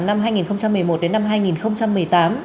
năm hai nghìn một mươi một đến năm hai nghìn một mươi tám